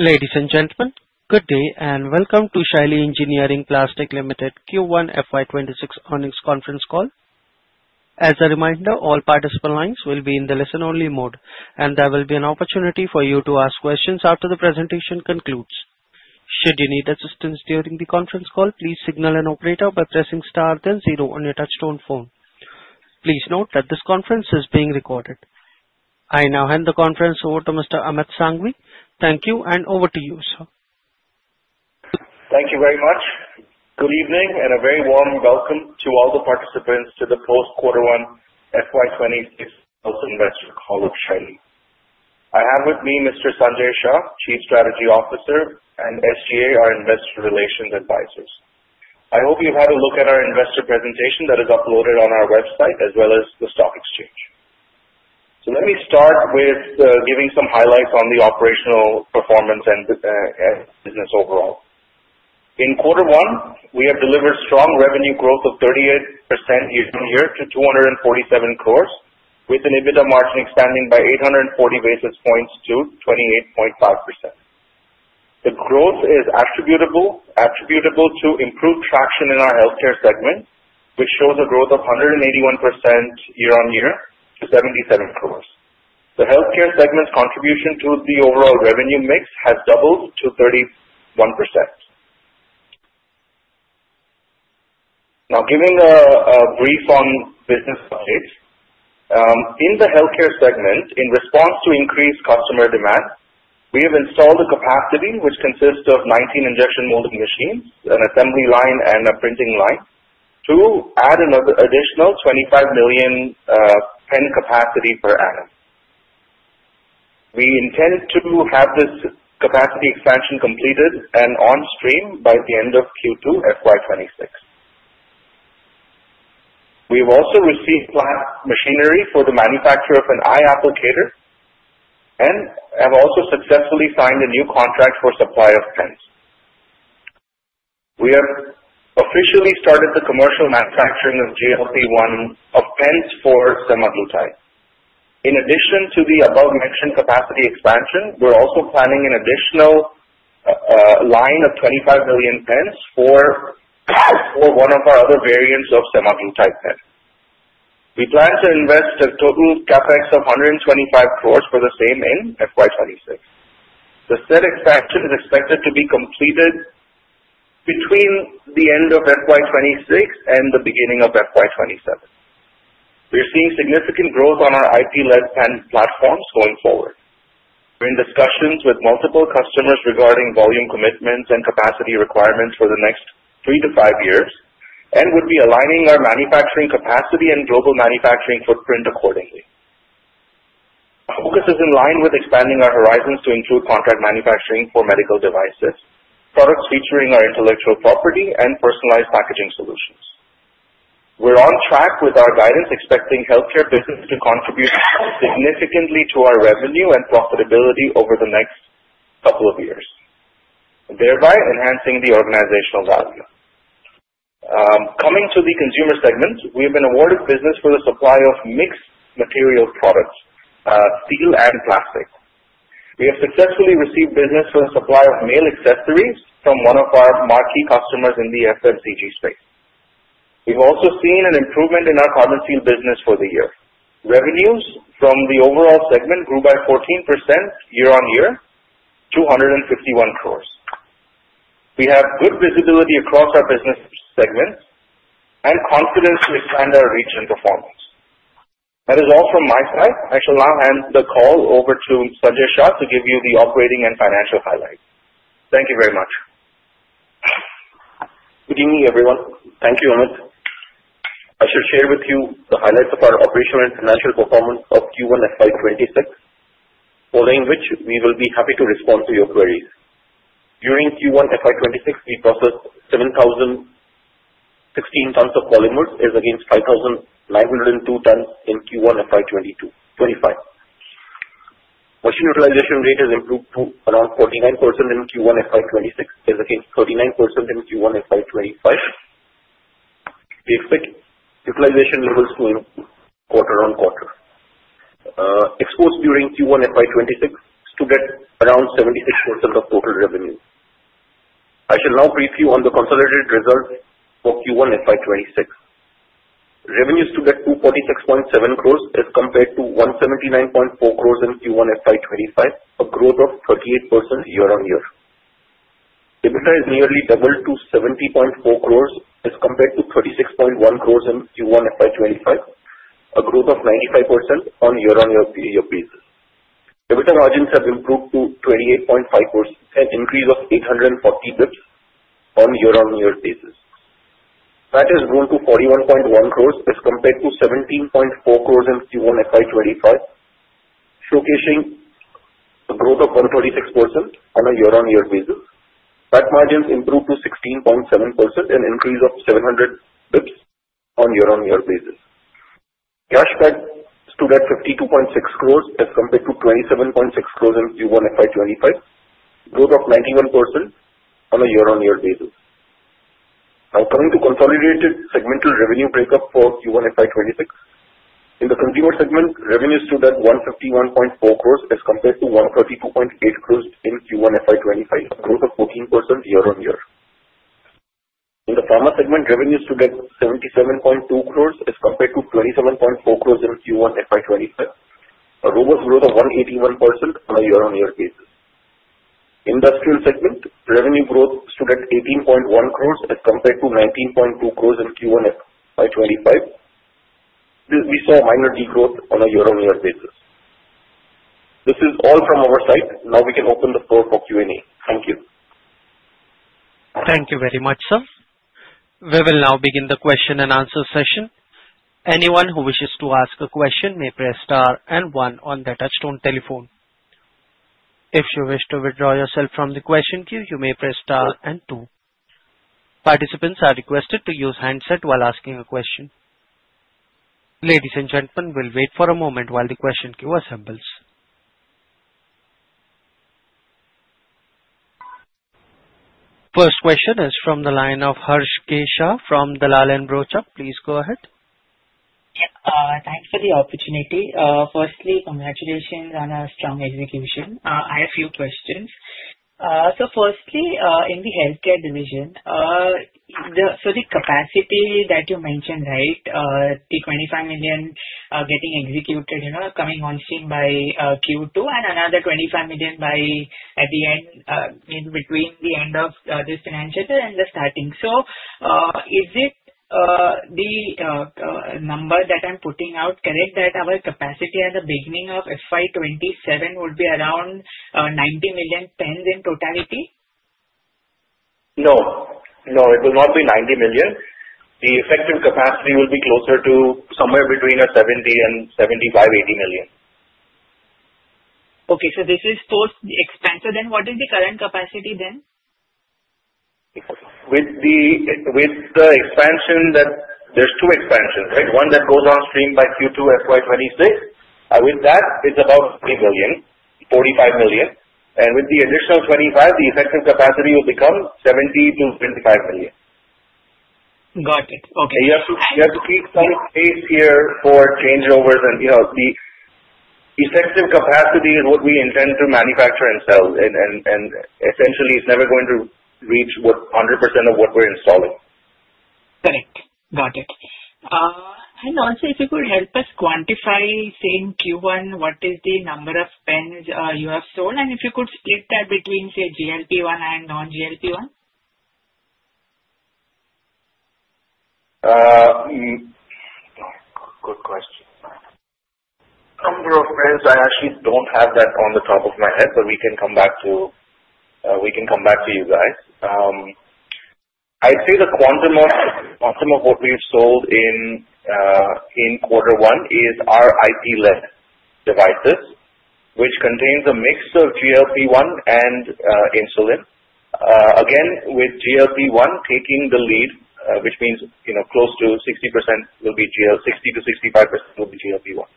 Ladies and gentlemen, good day and welcome to Shaily Engineering Plastics Limited Q1 FY 2026 earnings conference call. As a reminder, all participant lines will be in the listen-only mode, and there will be an opportunity for you to ask questions after the presentation concludes. Should you need assistance during the conference call, please signal an operator by pressing star then zero on your touchtone phone. Please note that this conference is being recorded. I now hand the conference over to Mr. Amit Sanghvi. Thank you and over to you, sir. Thank you very much. Good evening and a very warm welcome to all the participants to the post Quarter 1 FY 2026 investor call with Shaily. I have with me Mr. Sanjay Shah, Chief Strategy Officer and SGA, our investor relations advisors. I hope you've had a look at our investor presentation that is uploaded on our website as well as the stock exchange. Let me start with giving some highlights on the operational performance and business overall. In Quarter 1, we have delivered strong revenue growth of 38% year-on-year to 247 crores, with an EBITDA margin expanding by 840 basis points to 28.5%. The growth is attributable to improved traction in our healthcare segment, which shows a growth of 181% year-on-year to 77 crores. The healthcare segment's contribution to the overall revenue mix has doubled to 31%. Giving a brief on business updates. In the healthcare segment, in response to increased customer demand, we have installed a capacity which consists of 19 injection molding machines, an assembly line, and a printing line to add another additional 25 million pen capacity per annum. We intend to have this capacity expansion completed and on stream by the end of Q2 FY 2026. We've also received plant machinery for the manufacture of an eye applicator and have also successfully signed a new contract for supply of pens. We have officially started the commercial manufacturing of GLP-1 pens for semaglutide. In addition to the above-mentioned capacity expansion, we're also planning an additional line of 25 million pens for one of our other variants of semaglutide pen. We plan to invest a total CapEx of INR 125 crores for the same in FY 2026. The said expansion is expected to be completed between the end of FY 2026 and the beginning of FY 2027. We are seeing significant growth on our IP-led pen platforms going forward. We're in discussions with multiple customers regarding volume commitments and capacity requirements for the next 3-5 years and would be aligning our manufacturing capacity and global manufacturing footprint accordingly. Our focus is in line with expanding our horizons to include contract manufacturing for medical devices, products featuring our intellectual property and personalized packaging solutions. We're on track with our guidance, expecting healthcare business to contribute significantly to our revenue and profitability over the next couple of years, thereby enhancing the organizational value. Coming to the consumer segment, we have been awarded business for the supply of mixed materials products, steel and plastic. We have successfully received business for the supply of male accessories from one of our marquee customers in the FMCG space. We have also seen an improvement in our carbon steel business for the year. Revenues from the overall segment grew by 14% year-on-year to 151 crores. We have good visibility across our business segments and confidence to expand our reach and performance. That is all from my side. I shall now hand the call over to Sanjay Shah to give you the operating and financial highlights. Thank you very much. Good evening, everyone. Thank you, Amit. I shall share with you the highlights of our operational and financial performance of Q1 FY 2026, following which we will be happy to respond to your queries. During Q1 FY 2026, we processed 7,016 tons of polymers as against 5,902 tons in Q1 FY 2025. Machine utilization rate has improved to around 49% in Q1 FY 2026 as against 39% in Q1 FY 2025. We expect utilization levels to improve quarter-on-quarter. Exports during Q1 FY 2026 stood at around 76% of total revenue. I shall now brief you on the consolidated results for Q1 FY 2026. Revenues stood at 246.7 crores as compared to 179.4 crores in Q1 FY 2025, a growth of 38% year-on-year. EBITDA has nearly doubled to 70.4 crores as compared to 36.1 crores in Q1 FY 2025, a growth of 95% on a year-on-year basis. EBITDA margins have improved to 28.5%, an increase of 840 basis points on a year-on-year basis. PAT has grown to 41.1 crores as compared to 17.4 crores in Q1 FY 2025, showcasing a growth of 146% on a year-on-year basis. PAT margins improved to 16.7%, an increase of 700 basis points on a year-on-year basis. Cash PAT stood at 52.6 crores as compared to 27.6 crores in Q1 FY 2025, growth of 91% on a year-on-year basis. Now coming to consolidated segmental revenue breakup for Q1 FY 2026. In the consumer segment, revenues stood at 151.4 crores as compared to 132.8 crores in Q1 FY 2025, a growth of 14% year-on-year. In the pharma segment, revenues stood at 77.2 crores as compared to 27.4 crores in Q1 FY 2025, a robust growth of 181% on a year-on-year basis. Industrial segment revenue growth stood at 18.1 crores as compared to 19.2 crores in Q1 FY 2025. We saw a minor decline on a year-on-year basis. This is all from our side. Now we can open the floor for Q&A. Thank you. Thank you very much, sir. We will now begin the question and answer session. Anyone who wishes to ask a question may press star and one on their touchtone telephone. If you wish to withdraw yourself from the question queue, you may press star and two. Participants are requested to use handset while asking a question. Ladies and gentlemen, we'll wait for a moment while the question queue assembles. First question is from the line of Harsh Shah from Dalal & Broacha. Please go ahead. Yeah. Thanks for the opportunity. Firstly, congratulations on a strong execution. I have a few questions. Firstly, in the healthcare division, the capacity that you mentioned, the 25 million getting executed, coming on stream by Q2 and another 25 million between the end of this financial year and the starting. Is the number that I'm putting out correct, that our capacity at the beginning of FY 2027 would be around 90 million pens in totality? No. No, it will not be 90 million. The effective capacity will be closer to somewhere between 70 and 75, 80 million. Okay, this is post the expansion. What is the current capacity then? There's two expansions, right? One that goes on stream by Q2 FY 2026. With that, it's about 45 million, and with the additional 25, the effective capacity will become 70 million-75 million. Got it. Okay. You have to keep some space here for changeovers and the effective capacity is what we intend to manufacture and sell and essentially it's never going to reach 100% of what we're installing. Correct. Got it. Also if you could help us quantify, say in Q1, what is the number of pens you have sold, and if you could split that between, say, GLP-1 and non-GLP-1? Good question. Number of pens, I actually don't have that on the top of my head, but we can come back to you guys. I'd say the quantum of what we've sold in quarter one is our IP-led devices, which contains a mix of GLP-1 and insulin. Again, with GLP-1 taking the lead, which means close to 60%-65% will be GLP-1.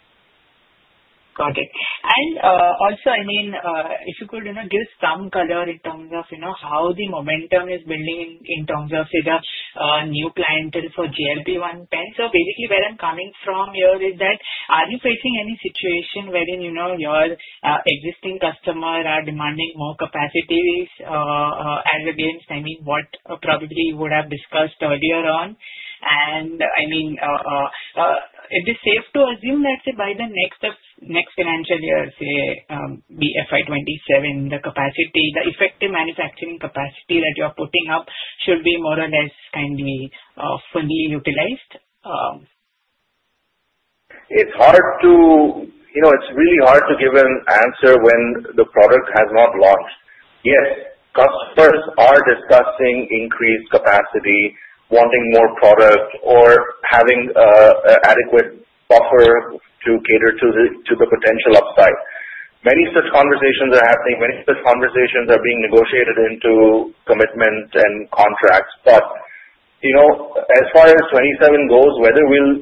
Got it. Also if you could give some color in terms of how the momentum is building in terms of, say, the new clientele for GLP-1 pens. Basically where I'm coming from here is that, are you facing any situation wherein your existing customer are demanding more capacities as against what probably you would have discussed earlier on? Is it safe to assume that by the next financial year, say, the FY 2027, the effective manufacturing capacity that you're putting up should be more or less kindly fully utilized? It's really hard to give an answer when the product has not launched. Yes, customers are discussing increased capacity, wanting more product, or having adequate buffer to cater to the potential upside. Many such conversations are happening. Many such conversations are being negotiated into commitments and contracts. As far as 2027 goes, whether we'll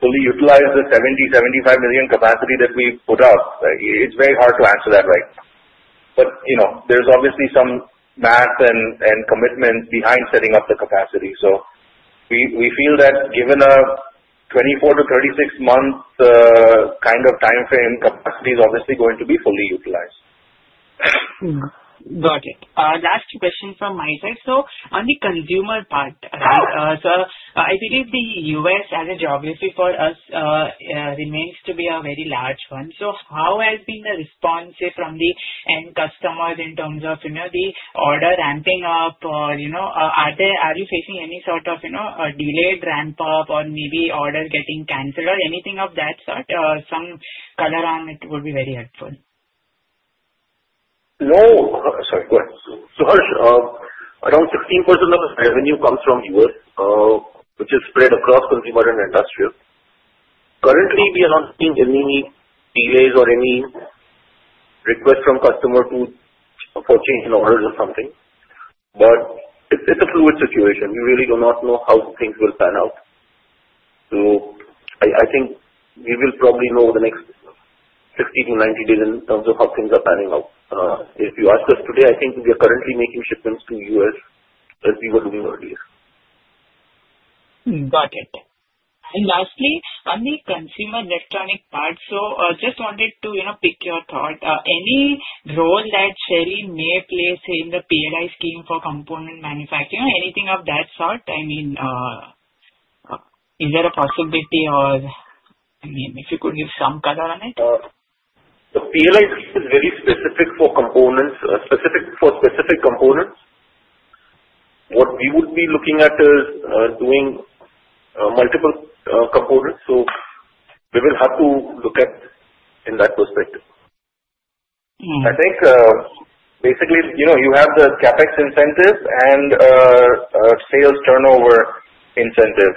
fully utilize the 70-75 million capacity that we put up, it's very hard to answer that right now. There's obviously some math and commitment behind setting up the capacity. We feel that given a 24-36 month kind of timeframe, capacity is obviously going to be fully utilized. Got it. Last question from my side. On the consumer part, sir, I believe the U.S. as a geography for us remains to be a very large one. How has been the response, say from the end customers in terms of the order ramping up? Are you facing any sort of delayed ramp-up or maybe orders getting canceled or anything of that sort? Some color on it would be very helpful. No. Sorry, go ahead. Harsh, around 16% of the revenue comes from U.S., which is spread across consumer and industrial. Currently, we are not seeing any delays or any requests from customers for change in orders or something. It's a fluid situation. We really do not know how things will pan out. I think we will probably know over the next 60 to 90 days in terms of how things are panning out. If you ask us today, I think we are currently making shipments to U.S. as we were doing earlier. Got it. Lastly, on the consumer electronic part. Just wanted to pick your thought. Any role that Shaily may play, say, in the PLI scheme for component manufacturing or anything of that sort? Is there a possibility, or if you could give some color on it? The PLI scheme is very specific for specific components. What we would be looking at is doing multiple components. We will have to look at in that perspective. I think basically, you have the CapEx incentive and sales turnover incentive.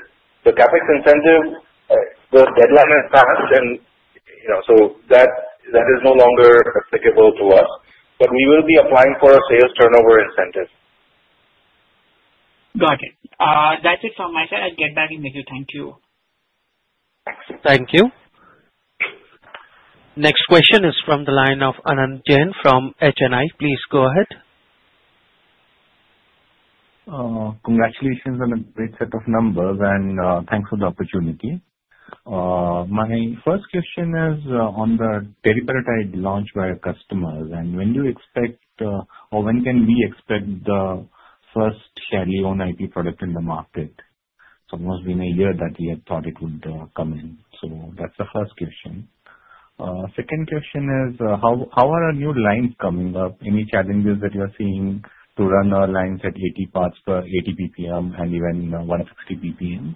The CapEx incentive, the deadline has passed, that is no longer applicable to us. We will be applying for a sales turnover incentive. Got it. That's it from my side. I'll get back in touch. Thank you. Thank you. Next question is from the line of Anant Jain from HNI. Please go ahead. Congratulations on a great set of numbers, thanks for the opportunity. My first question is on the teriparatide launch by our customers, when do you expect or when can we expect the first Shaily own IP product in the market? It's almost been a year that we had thought it would come in. That's the first question. Second question is, how are our new lines coming up? Any challenges that you're seeing to run our lines at 80 parts per 80 BPM and even 160 BPM?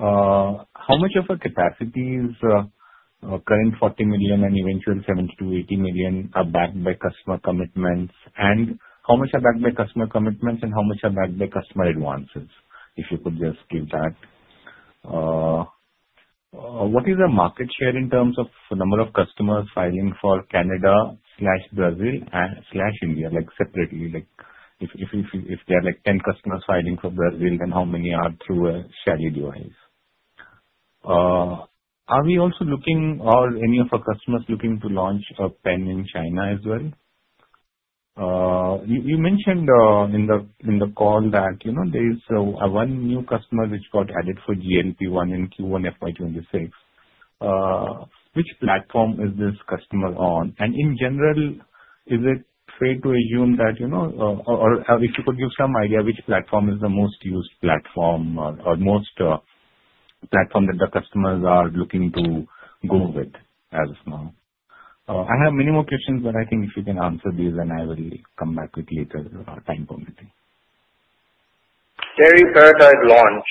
How much of a capacity is current 40 million and eventual 70 million-80 million are backed by customer commitments? How much are backed by customer commitments and how much are backed by customer advances? If you could just give that. What is the market share in terms of the number of customers filing for Canada/Brazil/India, separately? If there are 10 customers filing for Brazil, then how many are through a Shaily device? Are we also looking or any of our customers looking to launch a pen in China as well? You mentioned in the call that there is one new customer which got added for GLP-1 in Q1 FY 2026. Which platform is this customer on? In general, is it fair to assume that or if you could give some idea which platform is the most used platform or most platform that the customers are looking to go with as of now? I have many more questions, I think if you can answer these then I will come back with later when time permitting. Shaily teriparatide launch.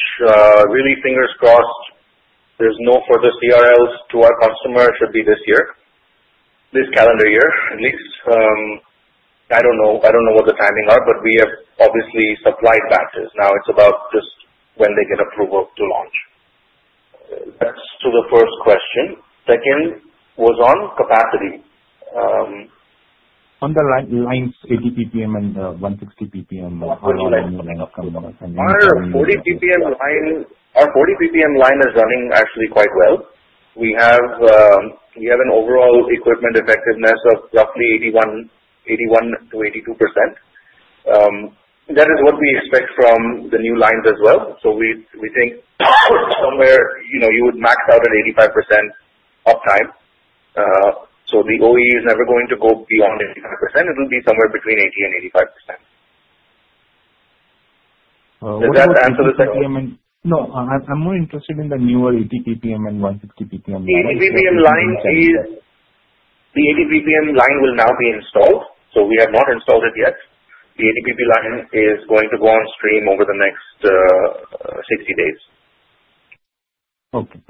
Really fingers crossed there is no further CRLs to our customer. It should be this year, this calendar year at least. I don't know what the timing are, but we have obviously supplied batches. It's about just when they get approval to launch. That's to the first question. Second was on capacity. On the lines 80 BPM and 160 BPM. Our 40 BPM line is running actually quite well. We have an overall equipment effectiveness of roughly 81%-82%. That is what we expect from the new lines as well. We think somewhere you would max out at 85% uptime. The OEE is never going to go beyond 85%. It will be somewhere between 80% and 85%. Did that answer? No. I am more interested in the newer 80 BPM and 160 BPM lines. The 80 BPM line will now be installed, so we have not installed it yet. The 80 BPM line is going to go on stream over the next 60 days. Okay.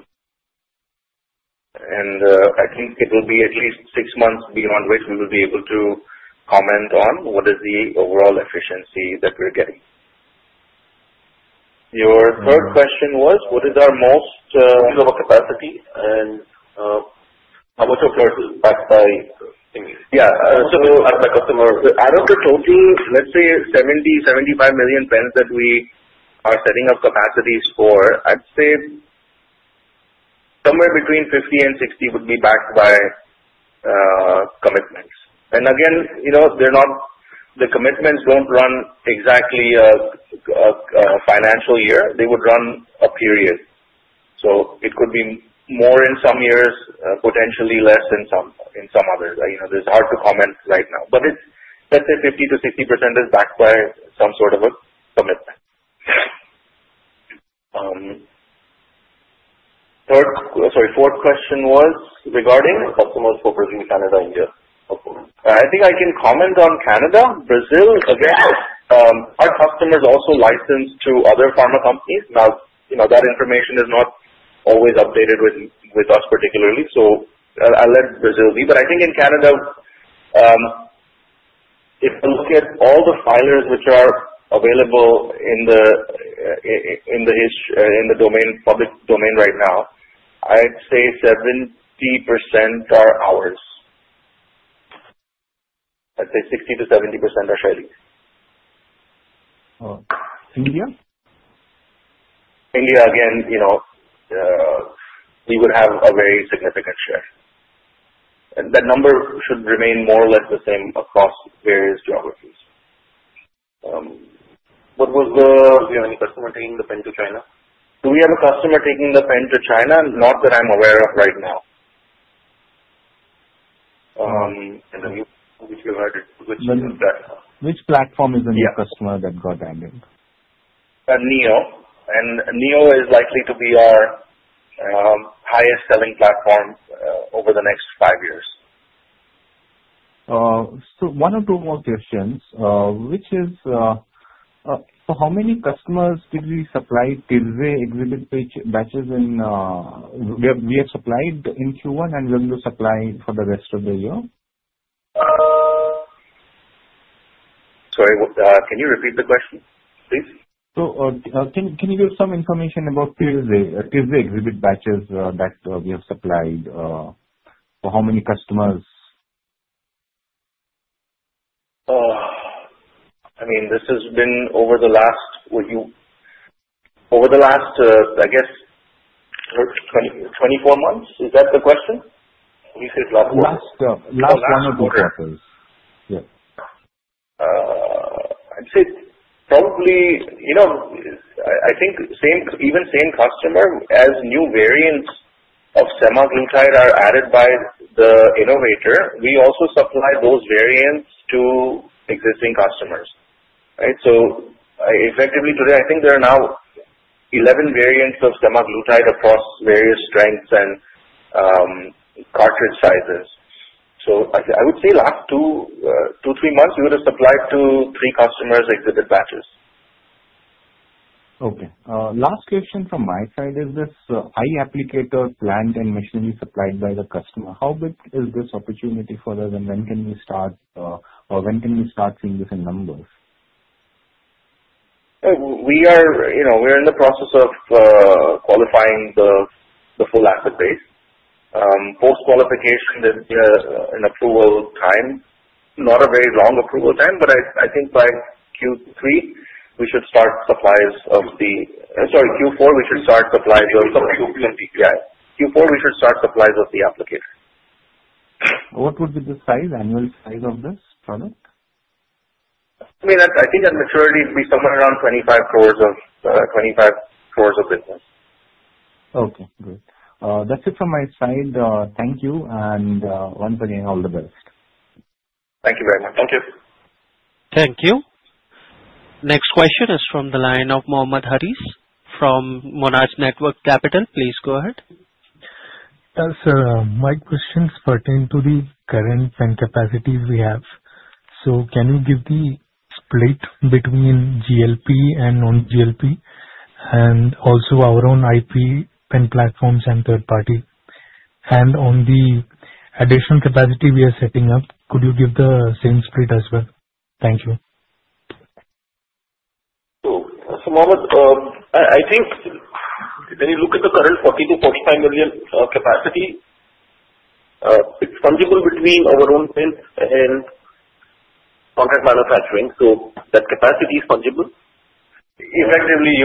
I think it will be at least six months beyond which we will be able to comment on what is the overall efficiency that we are getting. Your third question was, what is our most? Capacity and how much of that is backed by. Yeah. How much of it is backed by customer Out of the total, let's say 70, 75 million pens that we are setting up capacities for, I'd say somewhere between 50 and 60 would be backed by commitments. Again, the commitments don't run exactly a financial year. They would run a period. It could be more in some years, potentially less in some others. It's hard to comment right now. Let's say 50%-60% is backed by some sort of a commitment. Third. Sorry, fourth question was regarding? Customers focusing Canada, India. I think I can comment on Canada. Brazil, again, our customers also licensed to other pharma companies. That information is not always updated with us particularly. I'll let Brazil be. I think in Canada, if you look at all the filers which are available in the public domain right now, I'd say 70% are ours. Let's say 60%-70% are Shaily's. Okay. India? India, again, we would have a very significant share. That number should remain more or less the same across various geographies. Do you have any customer taking the pen to China? Do we have a customer taking the pen to China? Not that I'm aware of right now. The new one which we've added, which is in platform. Which platform is. Yeah new customer that got added? NEO. NEO is likely to be our highest-selling platform over the next five years. One or two more questions. How many customers did we supply tirzepatide exhibit batches in We have supplied in Q1 and when will you supply for the rest of the year? Sorry, can you repeat the question, please? Can you give some information about tirzepatide exhibit batches that we have supplied. How many customers? This has been over the last, I guess, 24 months. Is that the question? When you said last quarter. Last quarter. The last quarter. Yes. I'd say probably, I think even same customer as new variants of semaglutide are added by the innovator, we also supply those variants to existing customers. Right? Effectively today, I think there are now 11 variants of semaglutide across various strengths and cartridge sizes. I would say last two, three months, we would have supplied to three customers exhibit batches. Okay. Last question from my side is this, eye applicator plant and machinery supplied by the customer, how big is this opportunity for us, and when can we start seeing different numbers? We're in the process of qualifying the full asset base. Post-qualification and approval time, not a very long approval time, but I think by Q3 we should start supplies of the Sorry, Q4, we should start supplies of the applicator. What would be the annual size of this product? I think at maturity it'd be somewhere around 25 crores of business. Okay, great. That's it from my side. Thank you, once again, all the best. Thank you very much. Thank you. Thank you. Next question is from the line of Mohammed Haris from Monarch Networth Capital. Please go ahead. Yes. My questions pertain to the current pen capacity we have. Can you give the split between GLP and non-GLP? Also our own IP pen platforms and third party. On the additional capacity we are setting up, could you give the same split as well? Thank you. Mohammed, I think when you look at the current 42, 45 million capacity, it's fungible between our own pens and contract manufacturing. That capacity is fungible. Effectively,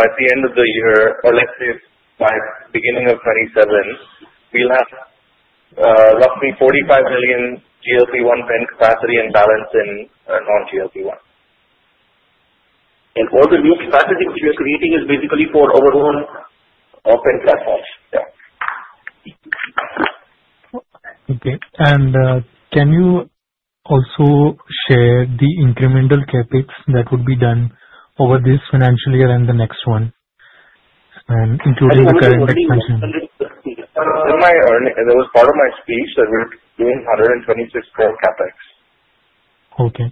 at the end of the year, or let's say by beginning of 2027, we'll have roughly 45 million GLP-1 pen capacity and balance in non-GLP-1. All the new capacity which we are creating is basically for our own pen platforms. Yeah. Okay. Can you also share the incremental CapEx that would be done over this financial year and the next one? Including the current expansion. 126. That was part of my speech, that we're doing INR 126 crore CapEx. Okay.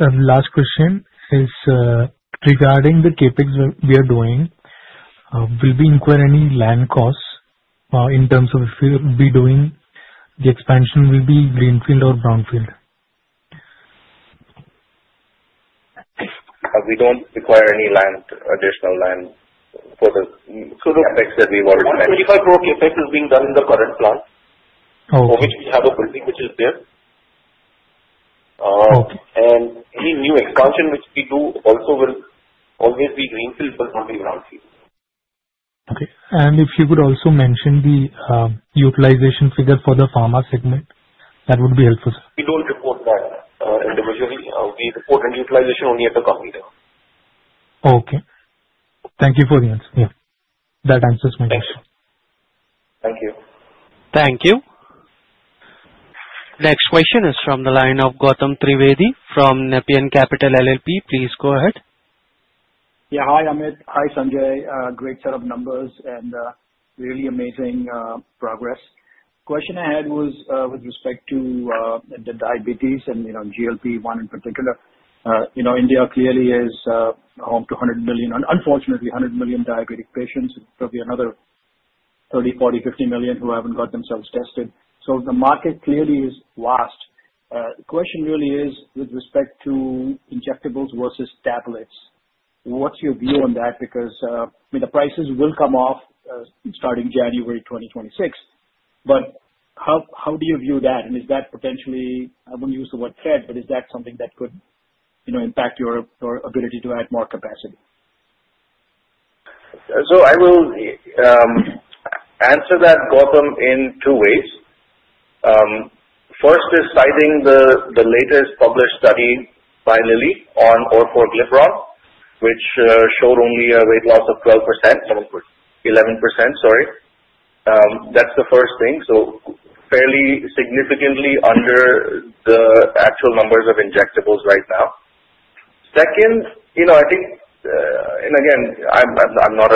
Last question is regarding the CapEx we are doing, will we incur any land costs, or in terms of if we'll be doing the expansion will be greenfield or brownfield? We don't require any additional land for the CapEx that we want to do. The 125 crore CapEx is being done in the current plant. Oh. For which we have a printing, which is there. Okay. Any new expansion which we do also will always be greenfield, but not any brownfield. Okay. If you would also mention the utilization figure for the pharma segment. That would be helpful, sir. We don't report that individually. We report end utilization only at the company level. Okay. Thank you for the answer. Yeah. That answers my question. Thank you. Thank you. Thank you. Next question is from the line of Gautam Trivedi from Nepean Capital LLP. Please go ahead. Hi, Amit. Hi, Sanjay. A great set of numbers and really amazing progress. Question I had was with respect to the diabetes and GLP-1 in particular. India clearly is home to 100 million, and unfortunately 100 million diabetic patients. There's probably another 30, 40, 50 million who haven't got themselves tested. The market clearly is vast. The question really is with respect to injectables versus tablets. What's your view on that? Because the prices will come off starting January 2026. How do you view that? And is that potentially, I wouldn't use the word threat, but is that something that could impact your ability to add more capacity? I will answer that, Gautam, in two ways. First is citing the latest published study by Lilly on oral orforglipron, which showed only a weight loss of 12%, 11%, sorry. That's the first thing. Fairly significantly under the actual numbers of injectables right now. Second, and again, I'm not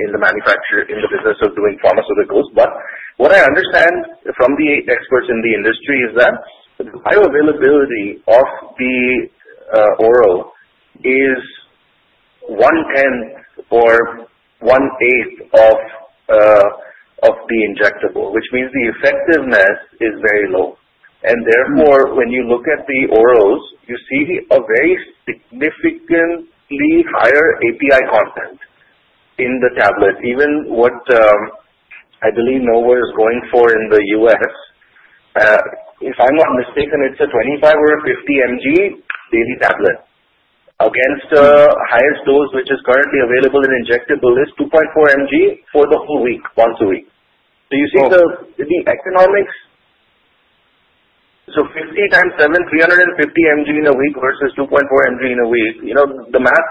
in the business of doing pharmaceuticals, but what I understand from the experts in the industry is that the bioavailability of the oral is one-tenth or one-eighth of the injectable, which means the effectiveness is very low. Therefore, when you look at the orals, you see a very significantly higher API content in the tablet. Even what, I believe Novo is going for in the U.S., if I'm not mistaken, it's a 25 or a 50 mg daily tablet against the highest dose which is currently available in injectable is 2.4 mg for the whole week, once a week. You see the economics. 50 times seven, 350 mg in a week versus 2.4 mg in a week. The math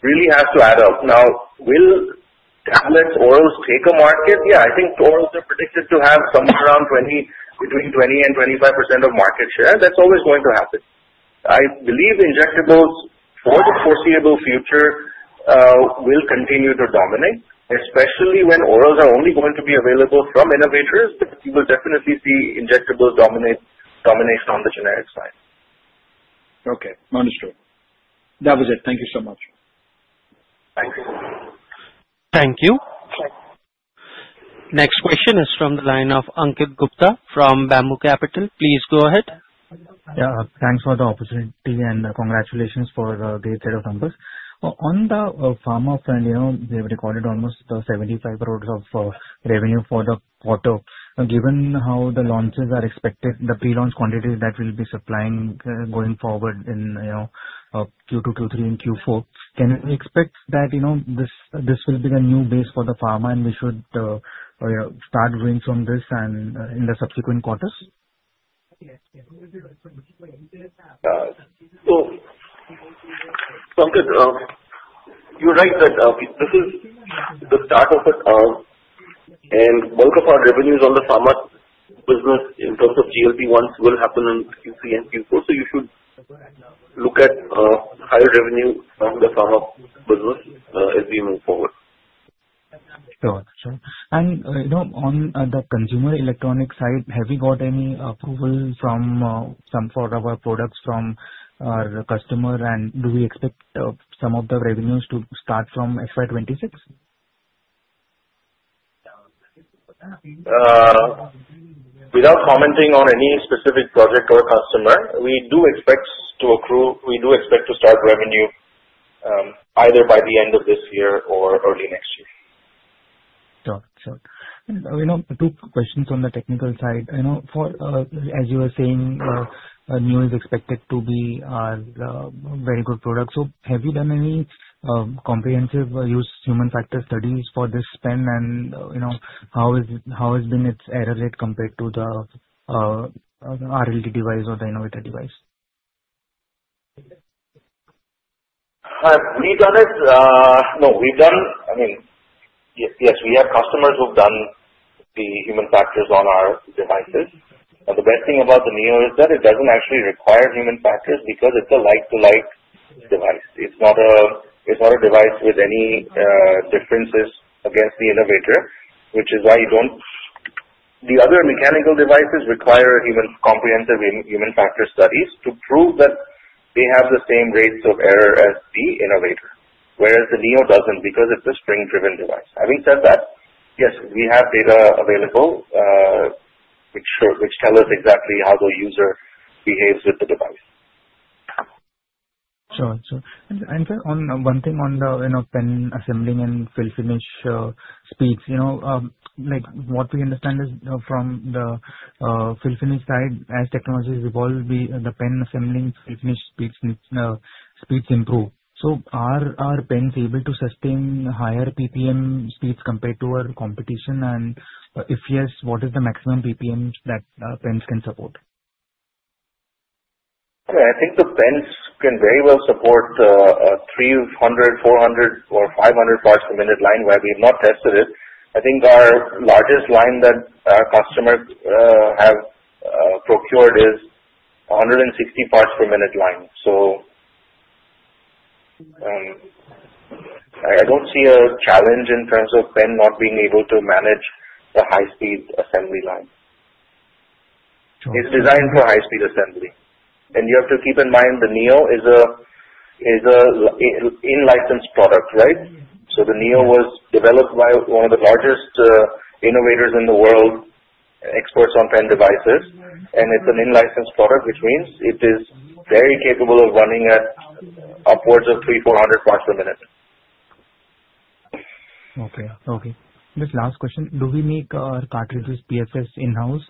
really has to add up. Will tablet orals take a market? I think orals are predicted to have somewhere around between 20% and 25% of market share. That's always going to happen. I believe injectables for the foreseeable future will continue to dominate, especially when orals are only going to be available from innovators. You will definitely see injectables dominate on the generic side. Understood. That was it. Thank you so much. Thank you. Thank you. Thank you. Next question is from the line of Ankit Gupta from Bamboo Capital. Please go ahead. Yeah. Thanks for the opportunity and congratulations for the set of numbers. On the pharma front, they've recorded almost 75 crores of revenue for the quarter. Given how the launches are expected, the pre-launch quantities that we'll be supplying going forward in Q2, Q3, and Q4, can we expect that this will be a new base for the pharma and we should start wins from this and in the subsequent quarters? Ankit, you're right that this is the start of it, and bulk of our revenues on the pharma business in terms of GLP-1s will happen in Q3 and Q4. You should look at higher revenue from the pharma business as we move forward. Sure. On the consumer electronic side, have you got any approval from some sort of a product from our customer and do we expect some of the revenues to start from FY 2026? Without commenting on any specific project or customer, we do expect to start revenue either by the end of this year or early next year. Sure. Two questions on the technical side. As you were saying, NEO is expected to be a very good product. Have you done any Comparative Use Human Factors studies for this pen and how has been its error rate compared to the RLD device or the innovator device? Yes, we have customers who've done the human factors on our devices. The best thing about the NEO is that it doesn't actually require human factors because it's a like to like device. It's not a device with any differences against the innovator, which is why the other mechanical devices require even Comparative Use Human Factors studies to prove that they have the same rates of error as the innovator. Whereas the NEO doesn't because it's a spring-driven device. Having said that, yes, we have data available which tell us exactly how the user behaves with the device. Sure. Sir, one thing on the pen assembling and fill finish speeds. What we understand is from the fill finish side, as technologies evolve, the pen assembling fill finish speeds improve. Are pens able to sustain higher PPM speeds compared to our competition? If yes, what is the maximum PPM that pens can support? I think the pens can very well support 300, 400, or 500 parts per minute line where we've not tested it. I think our largest line that our customers have procured is 160 parts per minute line. I don't see a challenge in terms of pen not being able to manage the high-speed assembly line. Sure. It's designed for high-speed assembly. You have to keep in mind, the ShailyPen Neo is an in-license product, right? The ShailyPen Neo was developed by one of the largest innovators in the world, experts on pen devices, and it's an in-license product, which means it is very capable of running at upwards of 3,400 parts per minute. Okay. Just last question. Do we make our cartridges PFS in-house?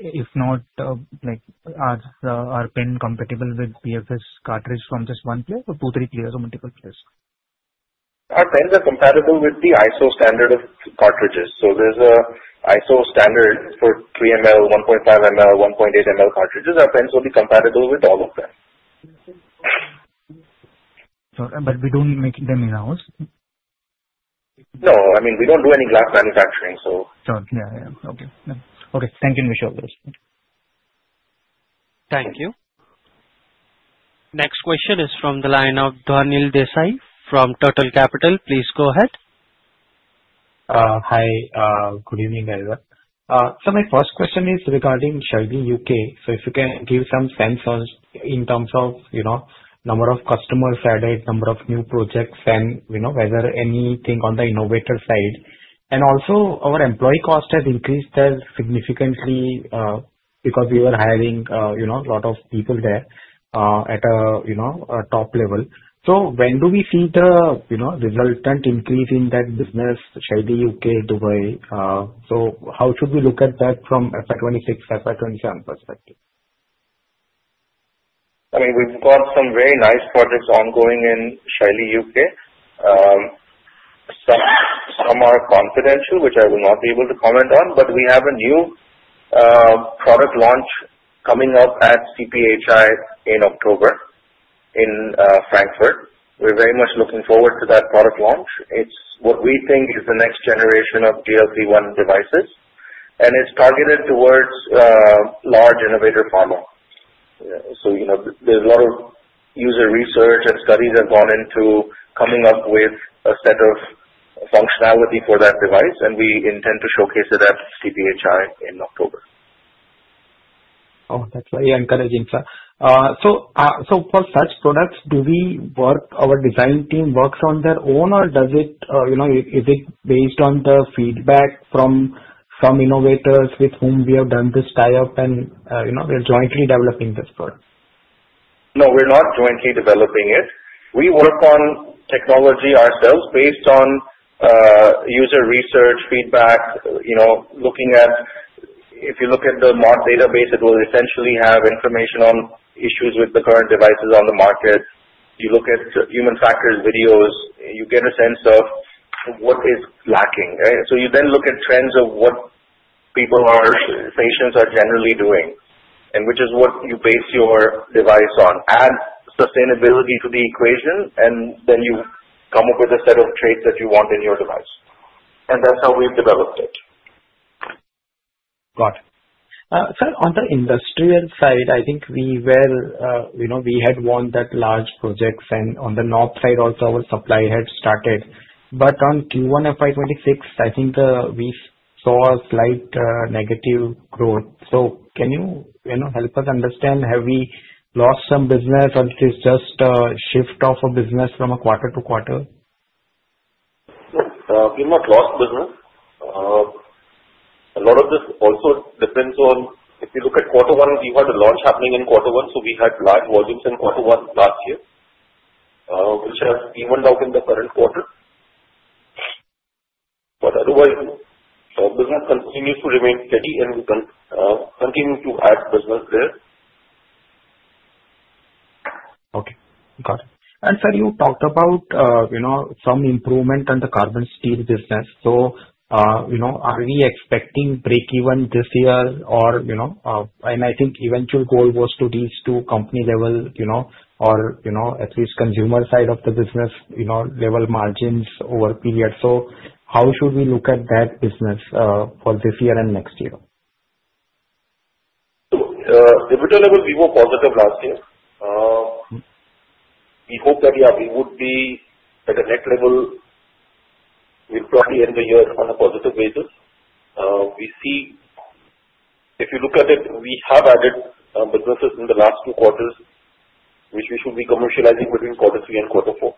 If not, are pen compatible with PFS cartridge from just one player or two, three players or multiple players? Our pens are compatible with the ISO standard of cartridges. There's an ISO standard for 3ml, 1.5ml, 1.8ml cartridges. Our pens will be compatible with all of them. Okay. We don't make them in-house? No, we don't do any glass manufacturing. Yeah. Okay. Thank you, Nishant. Thank you. Next question is from the line of Dhwanil Desai from Turtle Capital. Please go ahead. Hi. Good evening, everyone. My first question is regarding Shaily UK. If you can give some sense in terms of number of customers added, number of new projects, and whether anything on the innovator side. Also our employee cost has increased significantly because we were hiring a lot of people there at a top level. When do we see the resultant increase in that business, Shaily UK, Dubai? How should we look at that from FY 2026, FY 2027 perspective? We've got some very nice projects ongoing in Shaily UK. Some are confidential, which I will not be able to comment on, but we have a new product launch coming up at CPHI in October in Frankfurt. We're very much looking forward to that product launch. It's what we think is the next generation of GLP-1 devices, and it's targeted towards large innovator pharma. There's a lot of user research and studies have gone into coming up with a set of functionality for that device, and we intend to showcase it at CPHI in October. Oh, that's very encouraging, sir. For such products, do our design team works on their own, or is it based on the feedback from innovators with whom we have done this tie-up and we're jointly developing this product? No, we're not jointly developing it. We work on technology ourselves based on user research feedback. If you look at the MAUDE database, it will essentially have information on issues with the current devices on the market. You look at human factors videos, you get a sense of what is lacking. You then look at trends of what people are, patients are generally doing, and which is what you base your device on. Add sustainability to the equation, and then you come up with a set of traits that you want in your device. That's how we've developed it. Got it. Sir, on the industrial side, I think we had won that large projects and on the north side also our supply had started. On Q1 FY 2026, I think we saw a slight negative growth. Can you help us understand, have we lost some business or is this just a shift of a business from a quarter to quarter? No. We've not lost business. A lot of this also depends on if you look at quarter one, we had a launch happening in quarter one, so we had large volumes in quarter one last year, which has evened out in the current quarter. Otherwise, business continues to remain steady and we continue to add business there. Okay. Got it. Sir, you talked about some improvement on the carbon steel business. Are we expecting breakeven this year? I think eventual goal was to reach to company level or at least consumer side of the business level margins over a period. How should we look at that business for this year and next year? EBITDA levels were more positive last year. We hope that we would be at a net level. We'll probably end the year on a positive basis. If you look at it, we have added businesses in the last two quarters, which we should be commercializing between quarter three and quarter four.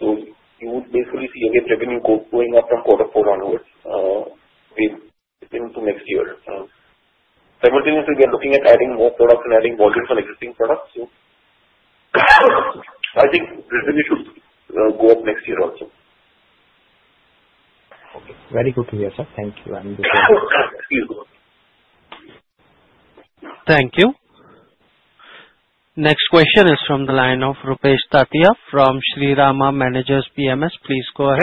You would basically see again revenue going up from quarter four onwards into next year. Second thing is we are looking at adding more products and adding volumes on existing products. I think revenue should go up next year also. Okay. Very good to hear, sir. Thank you. Excuse me. Thank you. Next question is from the line of Rupesh Tatia from Shriram Managers PMS. Please go ahead.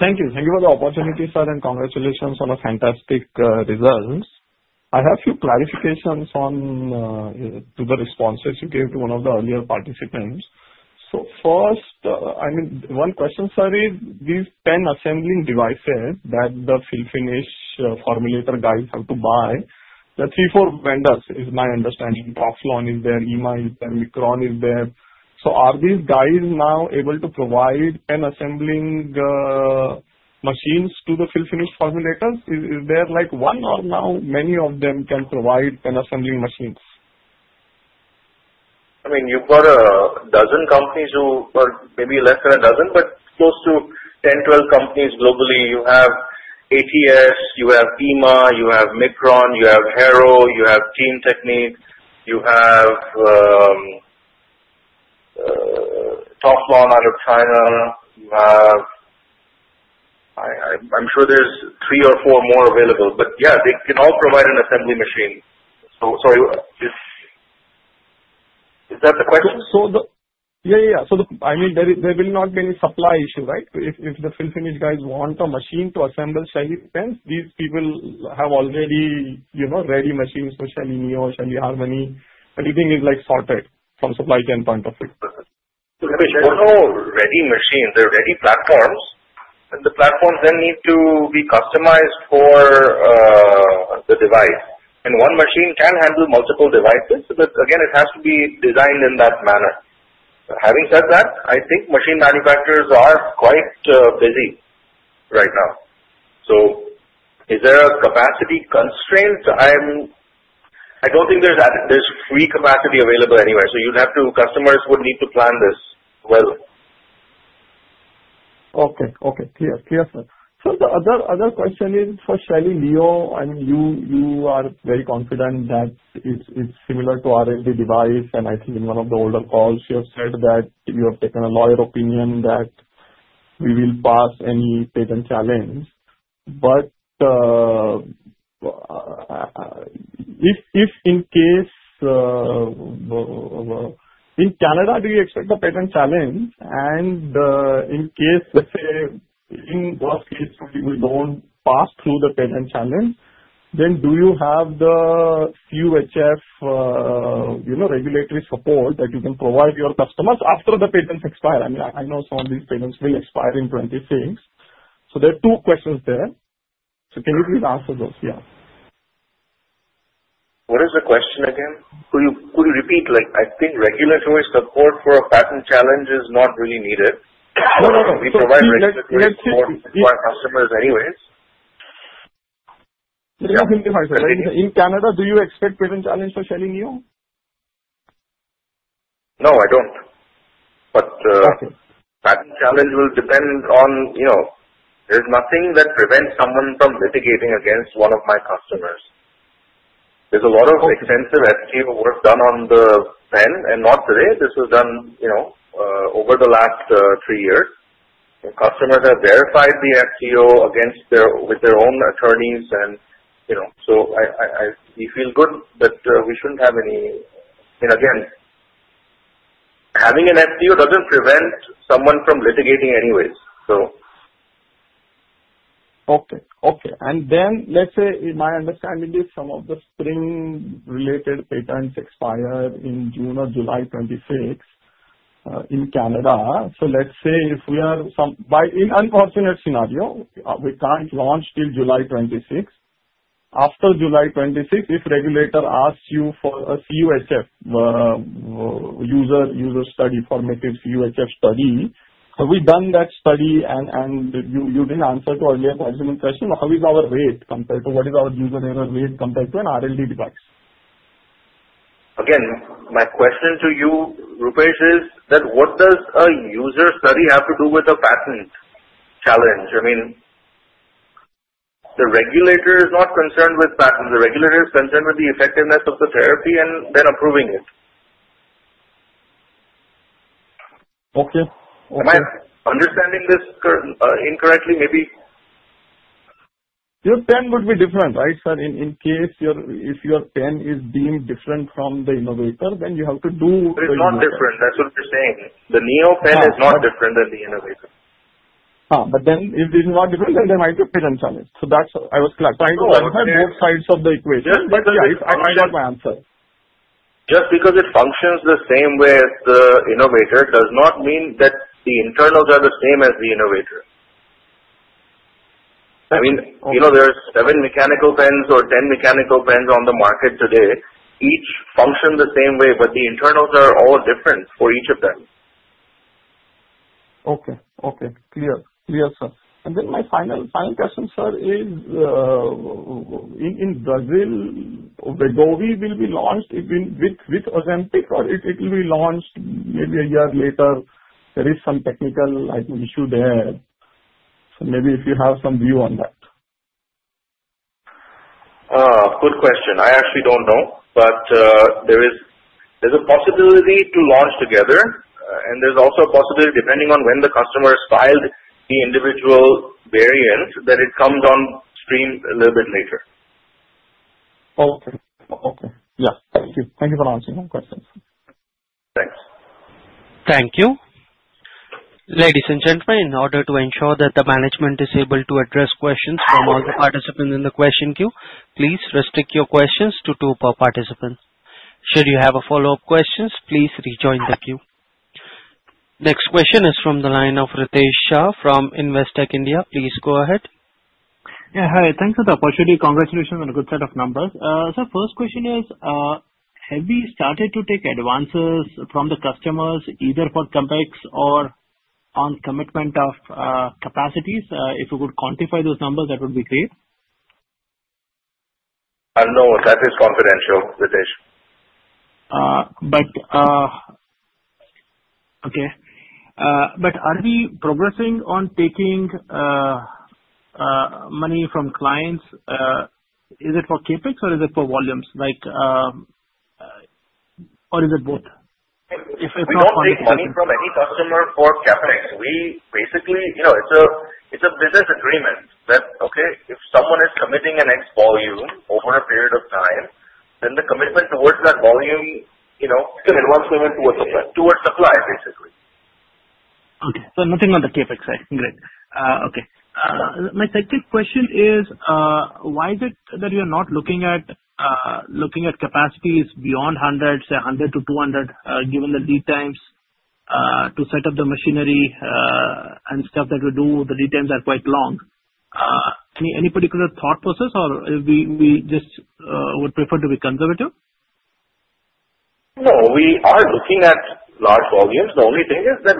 Thank you. Thank you for the opportunity, sir, and congratulations on the fantastic results. I have few clarifications to the responses you gave to one of the earlier participants. First, one question, sir, is these pen-assembling devices that the fill-finish formulator guys have to buy, the three, four vendors is my understanding. Proxlon is there, Yima is there, Mikron is there. Are these guys now able to provide pen-assembling machines to the fill-finish formulators? Is there one or now many of them can provide pen-assembling machines? You've got a dozen companies who Maybe less than a dozen, but close to 10, 12 companies globally. You have ATS, you have PIMA, you have Mikron, you have Harro, you have Cleantechnics. You have Truking out of China. I'm sure there's three or four more available. Yeah, they can all provide an assembly machine. Sorry, is that the question? Yeah. There will not be any supply issue, right? If the fill-finish guys want a machine to assemble Shaily pens, these people have already ready machines for ShailyPen Neo, ShailyPen Harmony. Everything is sorted from supply chain point of view. There's no ready machine. They're ready platforms, and the platforms then need to be customized for the device. One machine can handle multiple devices, but again, it has to be designed in that manner. Having said that, I think machine manufacturers are quite busy right now. Is there a capacity constraint? I don't think there's free capacity available anywhere. Customers would need to plan this well. Okay. Clear, sir. Sir, the other question is for ShailyPen Neo, and you are very confident that it's similar to RLD device, and I think in one of the older calls, you have said that you have taken a lawyer opinion that we will pass any patent challenge. In Canada, do you expect the patent challenge and in case, let's say, in worst case we don't pass through the patent challenge, then do you have the QHF regulatory support that you can provide your customers after the patents expire? I know some of these patents will expire in 2026. There are two questions there. Can you please answer those? Yeah. What is the question again? Could you repeat? I think regulatory support for a patent challenge is not really needed. No. We provide regulatory support for our customers anyways. Yeah. In Canada, do you expect patent challenge for ShailyPen Neo? No, I don't. Okay patent challenge will depend on, there's nothing that prevents someone from litigating against one of my customers. There's a lot of expensive FTO work done on the pen, not today. This was done over the last three years. The customers have verified the FTO with their own attorneys, so we feel good that we shouldn't have any Again, having an FTO doesn't prevent someone from litigating anyways. Okay. Let's say, my understanding is some of the spring-related patents expire in June or July 2026, in Canada. Let's say if we are, in unfortunate scenario, we can't launch till July 2026. After July 2026, if regulator asks you for a CUHF, user study, formative CUHF study. Have we done that study? You didn't answer to earlier question, how is our rate compared to, what is our user error rate compared to an RLD device? Again, my question to you, Rupesh, is that what does a user study have to do with a patent challenge? The regulator is not concerned with patents. The regulator is concerned with the effectiveness of the therapy and then approving it. Okay. Am I understanding this incorrectly, maybe? Your pen would be different, right, sir? In case if your pen is being different from the innovator, then you have to do- It's not different. That's what we're saying. The Neo pen is not different than the innovator. If this is not different, then there might be a patent challenge. That's I was trying to understand both sides of the equation. Yeah, I might have my answer. Just because it functions the same way as the innovator does not mean that the internals are the same as the innovator. Okay. There's seven mechanical pens or 10 mechanical pens on the market today. Each function the same way, but the internals are all different for each of them. Okay. Clear. Clear, sir. My final question, sir, is, in Brazil, Wegovy will be launched with Ozempic, or it will be launched maybe a year later. There is some technical item issue there. Maybe if you have some view on that. Good question. I actually don't know. There's a possibility to launch together, and there's also a possibility, depending on when the customer has filed the individual variants, that it comes on stream a little bit later. Okay. Yeah. Thank you. Thank you for answering my questions. Thanks. Thank you. Ladies and gentlemen, in order to ensure that the management is able to address questions from all the participants in the question queue, please restrict your questions to two per participant. Should you have a follow-up questions, please rejoin the queue. Next question is from the line of Ritesh Shah from Investec India. Please go ahead. Yeah. Hi. Thanks for the opportunity. Congratulations on a good set of numbers. Sir, first question is, have you started to take advances from the customers, either for CapEx or on commitment of capacities? If you could quantify those numbers, that would be great. No, that is confidential, Ritesh. Okay. Are we progressing on taking money from clients? Is it for CapEx or is it for volumes? Is it both? We don't take money from any customer for CapEx. It's a business agreement that if someone is committing an X volume over a period of time, then the commitment towards that volume- Is an advance payment towards supply. towards supply, basically. Okay. Nothing on the CapEx side. Great. Okay. My second question is, why is it that you're not looking at capacities beyond 100, say 100 to 200, given the lead times to set up the machinery and stuff that you do, the lead times are quite long. Any particular thought process, or we just would prefer to be conservative? No, we are looking at large volumes. The only thing is that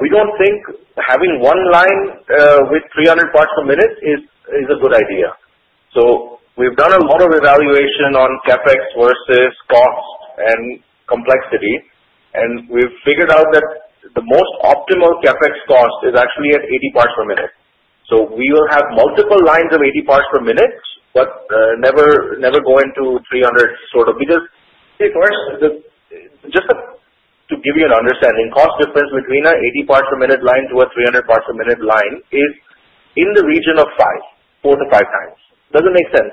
we don't think having one line with 300 parts per minute is a good idea. We've done a lot of evaluation on CapEx versus cost and complexity, and we've figured out that the most optimal CapEx cost is actually at 80 parts per minute. We will have multiple lines of 80 parts per minute, but never go into 300. Just to give you an understanding, cost difference between a 80 parts per minute line to a 300 parts per minute line is in the region of four to five times. Doesn't make sense.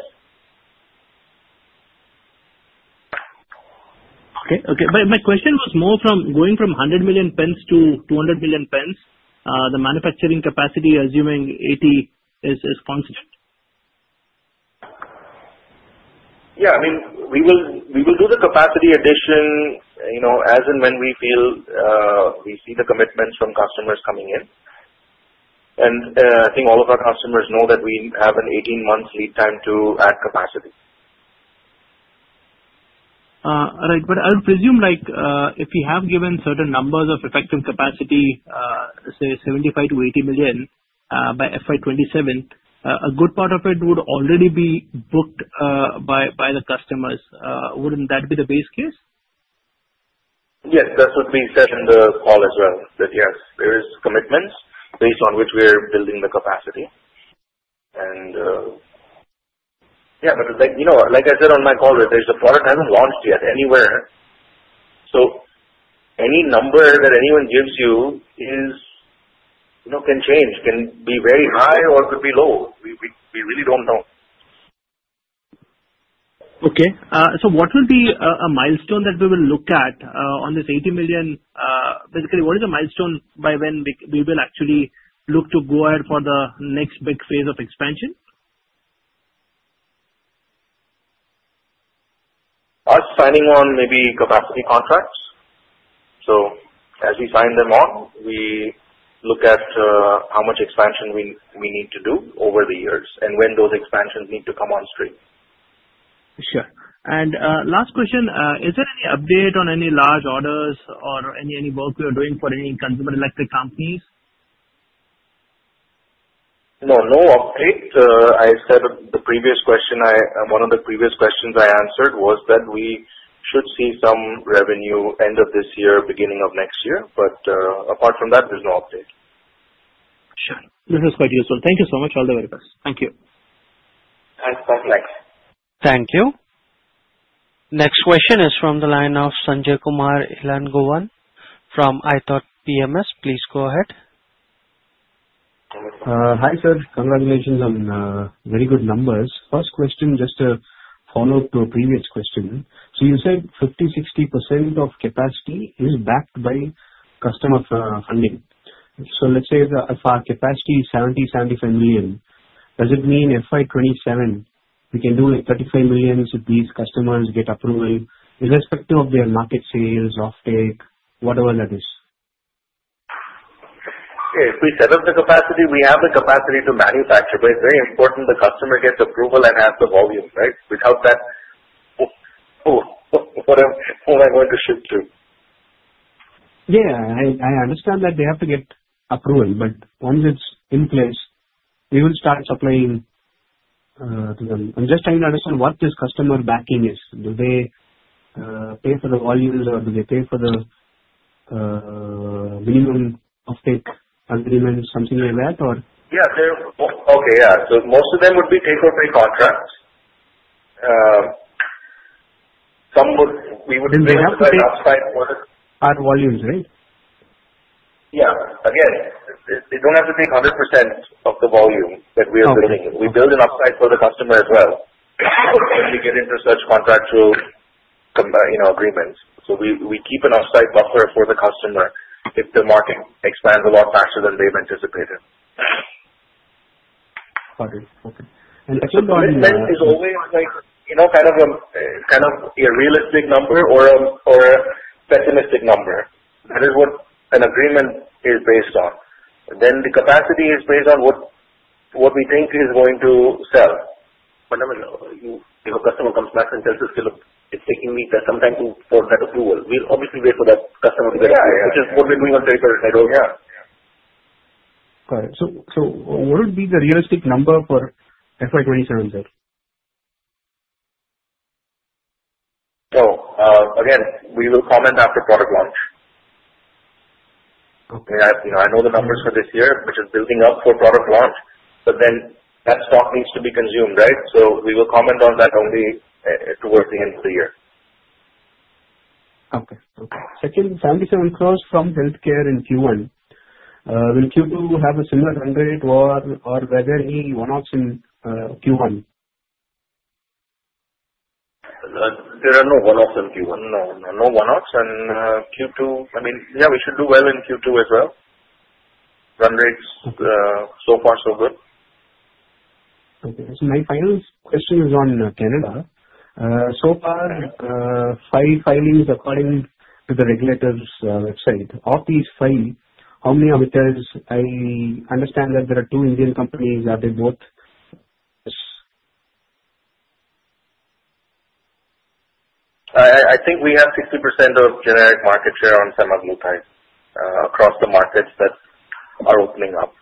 Okay. My question was more from going from 100 million pens to 200 million pens. The manufacturing capacity, assuming 80, is consistent. Yeah. We will do the capacity addition, as and when we see the commitments from customers coming in. I think all of our customers know that we have an 18 months lead time to add capacity. All right. I'll presume if we have given certain numbers of effective capacity, say 75-80 million by FY 2027, a good part of it would already be booked by the customers. Wouldn't that be the base case? Yes. That's what we said in the call as well. That yes, there is commitments based on which we are building the capacity. Like I said on my call, the product hasn't launched yet anywhere. Any number that anyone gives you can change, can be very high or could be low. We really don't know. What will be a milestone that we will look at on this 80 million? Basically, what is the milestone by when we will actually look to go ahead for the next big phase of expansion? Us signing on maybe capacity contracts. As we sign them on, we look at how much expansion we need to do over the years and when those expansions need to come on stream. Sure. Last question. Is there any update on any large orders or any work we are doing for any consumer electric companies? No. No update. One of the previous questions I answered was that we should see some revenue end of this year, beginning of next year. Apart from that, there is no update. Sure. This is quite useful. Thank you so much. All the very best. Thank you. Thanks. Likewise. Thank you. Next question is from the line of Sanjay Kumar Elangovan from iThought PMS. Please go ahead. Hi, sir. Congratulations on very good numbers. First question, just a follow-up to a previous question. You said 50%-60% of capacity is backed by customer funding. Let's say if our capacity is 70 million-75 million, does it mean FY 2027, we can do 35 million if these customers get approval irrespective of their market sales, offtake, whatever that is? If we set up the capacity, we have the capacity to manufacture. It's very important the customer gets approval and has the volume, right? Without that, who am I going to ship to? Yeah. I understand that they have to get approval, but once it's in place, you will start supplying to them. I'm just trying to understand what this customer backing is. Do they pay for the volumes, or do they pay for the minimum offtake agreement? Something like that? Okay, yeah. Most of them would be take-or-pay contracts. They have to take odd volumes, right? Yeah. They don't have to take 100% of the volume that we are building. We build an upside for the customer as well when we get into such contractual agreements. We keep an offsite buffer for the customer if the market expands a lot faster than they've anticipated. Understood. Okay. The supply is always kind of a realistic number or a pessimistic number. That is what an agreement is based on. The capacity is based on what we think is going to sell. Whenever your customer comes back and tells us, "Hey, look, it's taking me some time for that approval," we'll obviously wait for that customer to- Yeah. Which is what we're doing on Yeah. Got it. What would be the realistic number for FY 2027, sir? Again, we will comment after product launch. Okay. I know the numbers for this year, which is building up for product launch, that stock needs to be consumed. Right? We will comment on that only towards the end of the year. Okay. 77 crores from healthcare in Q1. Will Q2 have a similar run rate or were there any one-offs in Q1? There are no one-offs in Q1. No one-offs in Q2. We should do well in Q2 as well. Run rates, so far so good. My final question is on Canada. So far, five filings according to the regulators website. Of these five, how many are with us? I understand that there are two Indian companies. Are they both I think we have 60% of generic market share on semaglutide across the markets that are opening up.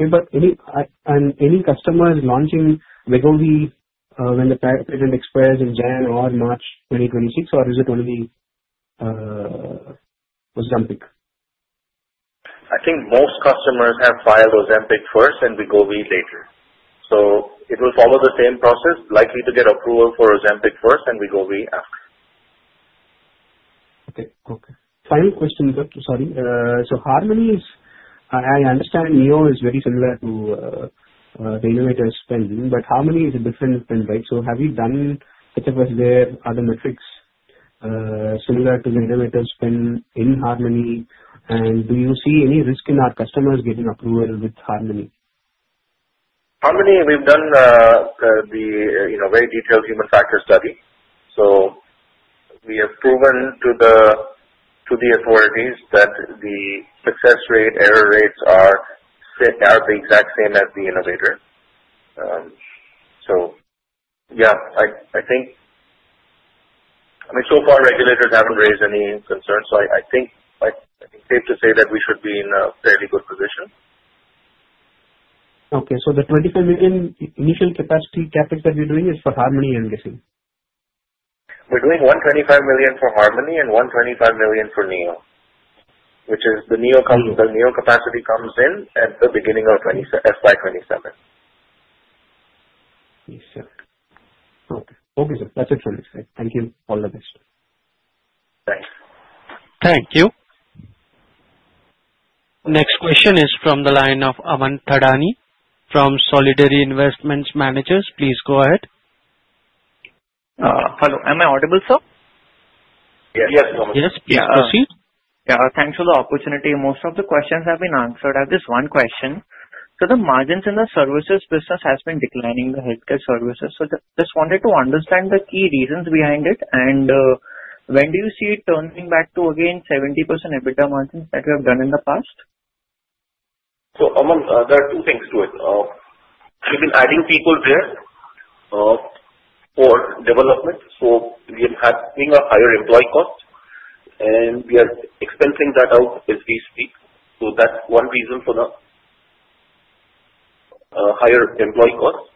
Okay. Any customers launching Wegovy when the patent expires in January or March 2026, or is it only Ozempic? I think most customers have filed Ozempic first and Wegovy later. It will follow the same process, likely to get approval for Ozempic first and Wegovy after. Okay. Final question, sir. Sorry. Harmony is, I understand Neo is very similar to the innovator pen, but Harmony is a different pen, right? Have you done such a study there? Are the metrics similar to the innovator pen in Harmony? Do you see any risk in our customers getting approval with Harmony? Harmony, we've done a very detailed human factor study. We have proven to the authorities that the success rate, error rates are fit are the exact same as the innovator. Yeah, I think so far regulators haven't raised any concerns, I think it's safe to say that we should be in a fairly good position. The 25 million initial capacity CapEx that we're doing is for Harmony and DC. We're doing 125 million for Harmony and 125 million for Neo. The Neo capacity comes in at the beginning of FY 2027. Okay. Sir. That's it from this side. Thank you. All the best. Thanks. Thank you. Next question is from the line of Aman Thadani from Solidarity Investment Managers. Please go ahead. Hello. Am I audible, sir? Yes. Yes. Please proceed. Yeah. Thanks for the opportunity. Most of the questions have been answered. I have just one question. The margins in the services business has been declining the healthcare services. Just wanted to understand the key reasons behind it and when do you see it turning back to, again, 70% EBITDA margins that you have done in the past? Aman, there are two things to it. We've been adding people there for development, so we are having a higher employee cost and we are expensing that out as we speak. That's one reason for the higher employee cost.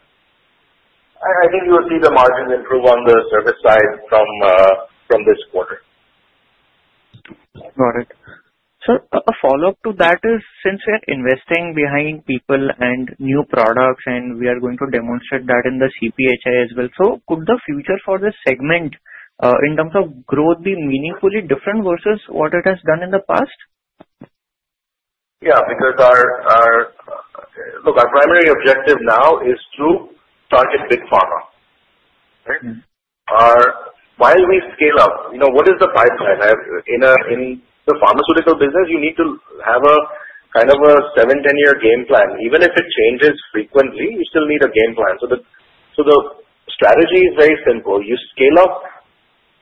I think you will see the margins improve on the service side from this quarter. Got it. A follow-up to that is, since we are investing behind people and new products, and we are going to demonstrate that in the CPHI as well, could the future for this segment, in terms of growth, be meaningfully different versus what it has done in the past? Yeah. Look, our primary objective now is to target big pharma. Right? While we scale up, what is the pipeline? In the pharmaceutical business, you need to have a kind of a 7, 10-year game plan. Even if it changes frequently, you still need a game plan. The strategy is very simple. You scale up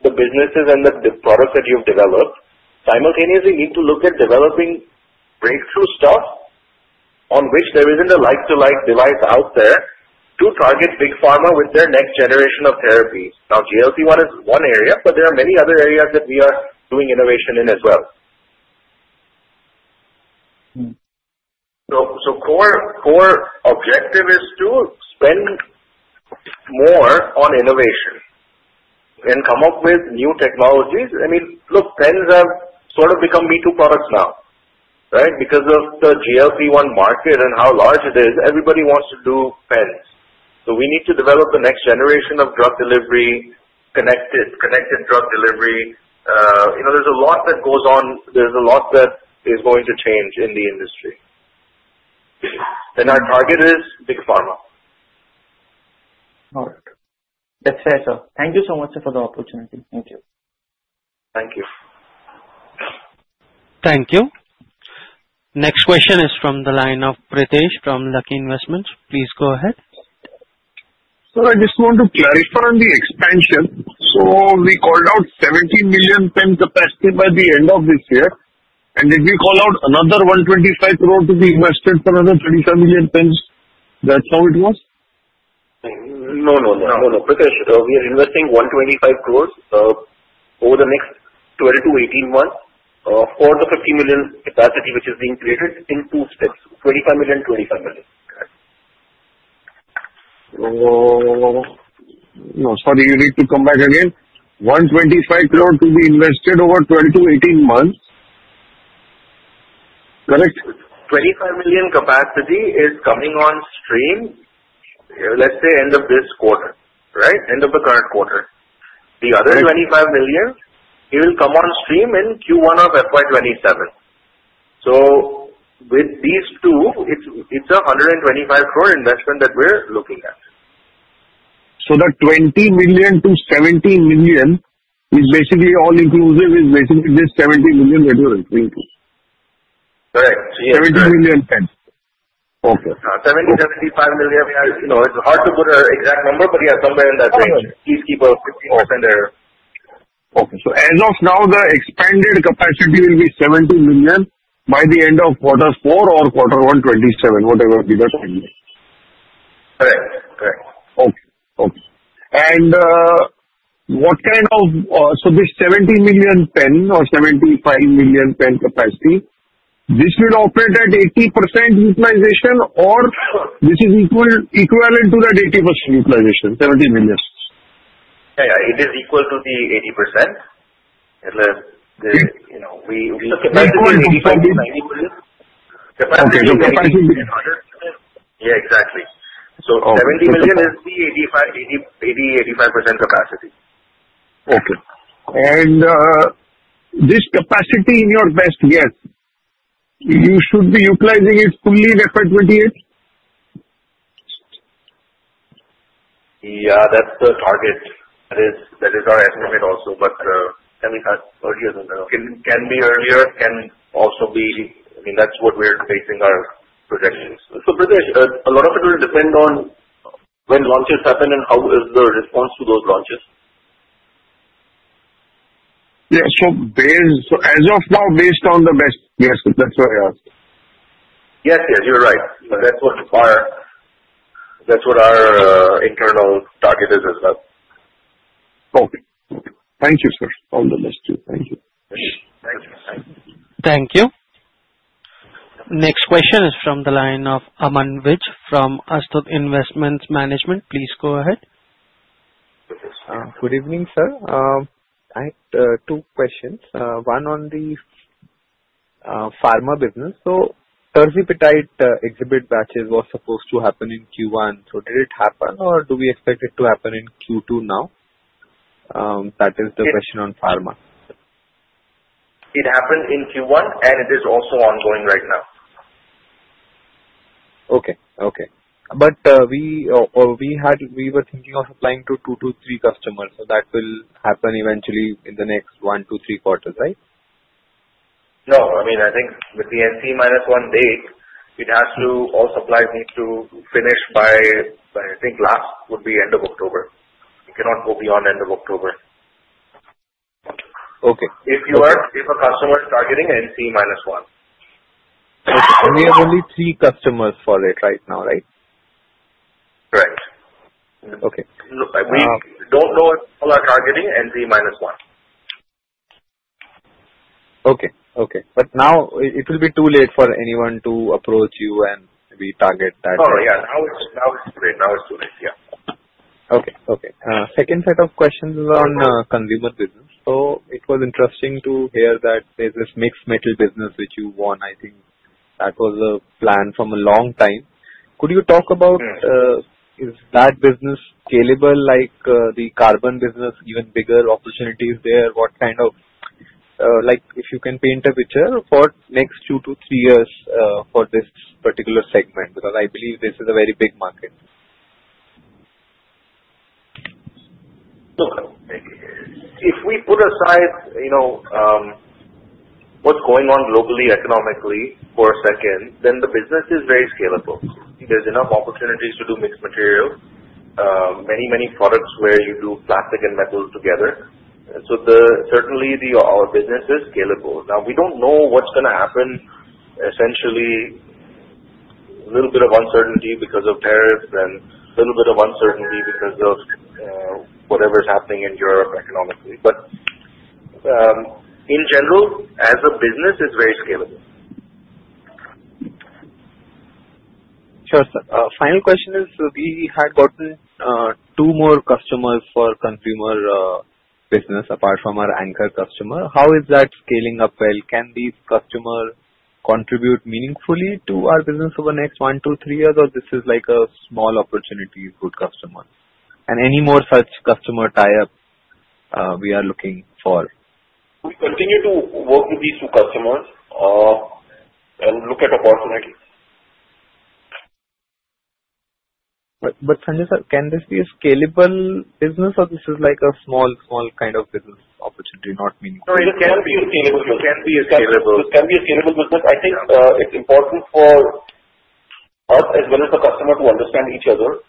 the businesses and the product that you've developed. Simultaneously, you need to look at developing breakthrough stuff on which there isn't a like to like device out there to target big pharma with their next generation of therapies. Now, GLP-1 is one area, but there are many other areas that we are doing innovation in as well. Core objective is to spend more on innovation and come up with new technologies. Look, pens have sort of become me-too products now, right? Because of the GLP-1 market and how large it is, everybody wants to do pens. We need to develop the next generation of drug delivery, connected drug delivery. There's a lot that goes on. There's a lot that is going to change in the industry. Our target is big pharma. All right. That's fair, sir. Thank you so much, sir, for the opportunity. Thank you. Thank you. Thank you. Next question is from the line of Pritesh from Lucky Investments. Please go ahead. Sir, I just want to clarify on the expansion. We called out 70 million ton capacity by the end of this year, and did we call out another INR 125 crore to be invested for another 25 million tons? That's how it was? No, Pritesh. We are investing 125 crore over the next 12 to 18 months for the 50 million capacity which is being created in two steps, 25 million, 25 million. Correct. Sorry, you need to come back again. 125 crore to be invested over 12 to 18 months. Correct? 25 million capacity is coming on stream, let's say end of this quarter. Right? End of the current quarter. The other 25 million, it will come on stream in Q1 of FY 2027. With these two, it's a 125 crore investment that we're looking at. The 20 million to 70 million is basically all inclusive, is basically this 70 million that you are including. Correct. 70 million tons. Okay. 70-75 million. It's hard to put an exact number, but yes, somewhere in that range. Please keep a 15% error. Okay. As of now, the expanded capacity will be 70 million by the end of quarter four or quarter one 2027, whatever be the timing. Correct. Okay. This 70 million ton or 75 million ton capacity, this will operate at 80% utilization, or this is equivalent to that 80% utilization, 70 million? Yeah. It is equal to the 80%. Okay. Yeah, exactly. INR 70 million is the 80%, 85% capacity. Okay. This capacity in your best guess, you should be utilizing it fully in FY 2028? Yeah, that's the target. That is our estimate also, but can be earlier, can also be I mean, that's what we are basing our projections. Pritesh, a lot of it will depend on when launches happen and how is the response to those launches. Yeah. As of now, based on the best guess, that's why I asked. Yes, you're right. That's what our internal target is as well. Okay. Thank you, sir. All the best to you. Thank you. Thank you. Thank you. Next question is from the line of Aman Vij from Astute Investment Management. Please go ahead. Good evening, sir. I had two questions, one on the pharma business. tirzepatide exhibit batches was supposed to happen in Q1. Did it happen or do we expect it to happen in Q2 now? That is the question on pharma. It happened in Q1 and it is also ongoing right now. Okay. We were thinking of supplying to two to three customers. That will happen eventually in the next one to three quarters, right? No, I think with the NC minus one date, all supplies need to finish by, I think last would be end of October. It cannot go beyond end of October. Okay. If a customer is targeting NC minus one. We have only three customers for it right now, right? Correct. Okay. Look, we don't know all our targeting NC minus one. Okay. It will be too late for anyone to approach you and maybe target that- Oh, yeah. Now it's too late. Yeah. Okay. Second set of questions is on consumer business. It was interesting to hear that there's this mixed-metal business which you won. I think that was a plan from a long time. Could you talk about is that business scalable like the carbon business, even bigger opportunities there? If you can paint a picture for next two to three years for this particular segment because I believe this is a very big market. If we put aside what's going on globally, economically for a second, the business is very scalable. There's enough opportunities to do mixed-materials. Many products where you do plastic and metal together. Certainly our business is scalable. We don't know what's going to happen, essentially little bit of uncertainty because of tariffs and little bit of uncertainty because of whatever's happening in Europe economically. In general, as a business, it's very scalable. Sure, sir. Final question is, we had gotten two more customers for consumer business apart from our anchor customer. How is that scaling up? Well, can these customer contribute meaningfully to our business over the next one to three years or this is like a small opportunity, good customer? Any more such customer tie-ups we are looking for? We continue to work with these two customers and look at opportunities Sanjay, can this be a scalable business or this is like a small kind of business opportunity, not meaningful? No, it can be a scalable business. It can be a scalable business. It can be a scalable business. I think it's important for us as well as the customer to understand each other,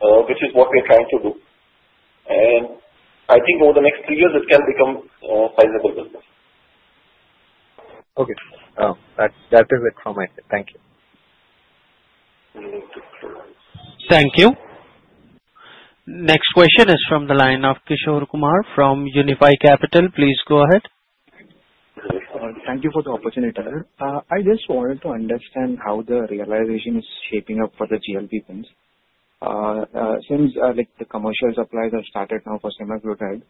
which is what we are trying to do. I think over the next three years, it can become a sizable business. Okay. That is it from my side. Thank you. You're welcome. Thank you. Next question is from the line of Kishore Kumar from Unifi Capital. Please go ahead. Thank you for the opportunity. I just wanted to understand how the realization is shaping up for the GLP pens. Since the commercial supplies have started now for semaglutide,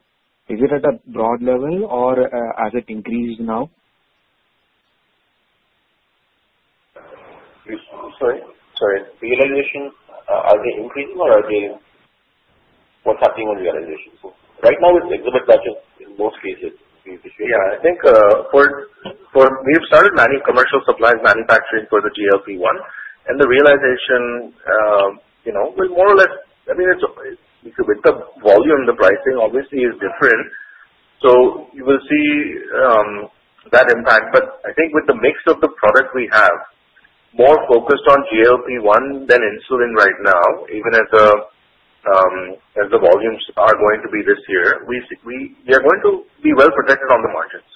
is it at a broad level or has it increased now? Sorry. Sorry. Realization, are they increasing or what's happening on realization? Right now, it's exhibit batches in most cases. Yeah, I think we've started manufacturing commercial supplies for the GLP-1. The realization, with the volume, the pricing obviously is different. You will see that impact. I think with the mix of the product we have, more focused on GLP-1 than insulin right now, even as the volumes are going to be this year, we are going to be well-protected on the margins.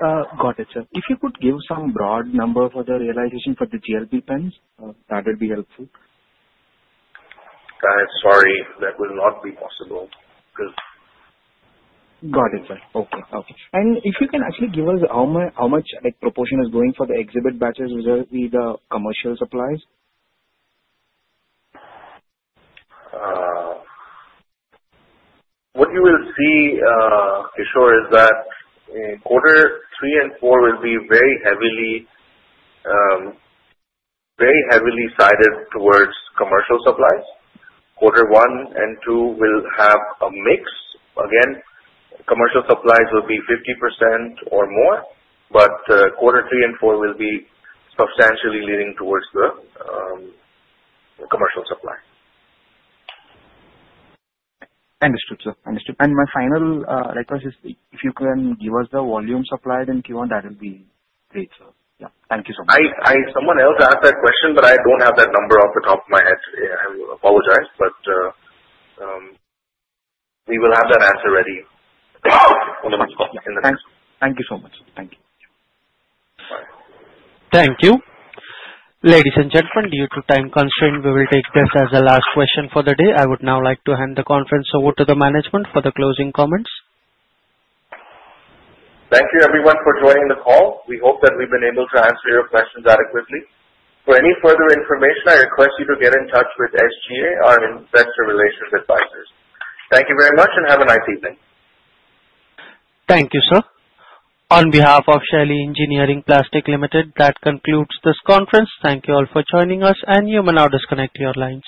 Got it, sir. If you could give some broad number for the realization for the GLP pens, that would be helpful. Sorry, that will not be possible. Got it, sir. Okay. If you can actually give us how much proportion is going for the exhibit batches vis-a-vis the commercial supplies. What you will see, Kishore, is that quarter three and four will be very heavily sided towards commercial supplies. Quarter one and two will have a mix. Again, commercial supplies will be 50% or more, but quarter three and four will be substantially leaning towards the commercial supply. Understood, sir. My final request is, if you can give us the volume supplied in Q1, that will be great, sir. Yeah, thank you so much. Someone else asked that question, I don't have that number off the top of my head today. I apologize, we will have that answer ready on the next call. Thank you so much. Thank you. All right. Thank you. Ladies and gentlemen, due to time constraint, we will take this as the last question for the day. I would now like to hand the conference over to the management for the closing comments. Thank you everyone for joining the call. We hope that we've been able to answer your questions adequately. For any further information, I request you to get in touch with SGA, our investor relations advisors. Thank you very much and have a nice evening. Thank you, sir. On behalf of Shaily Engineering Plastics Limited, that concludes this conference. Thank you all for joining us and you may now disconnect your lines.